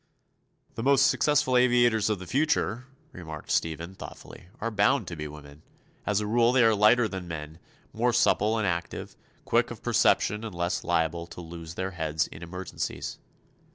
"The most successful aviators of the future," remarked Stephen, thoughtfully, "are bound to be women. As a rule they are lighter than men, more supple and active, quick of perception and less liable to lose their heads in emergencies.